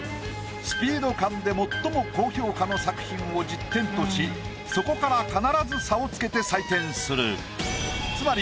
スピード感で最も高評価の作品を１０点としそこから必ず差をつけて採点する。